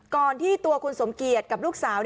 ที่ตัวคุณสมเกียจกับลูกสาว